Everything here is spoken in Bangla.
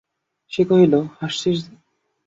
সে কহিল, হাসছিস যে!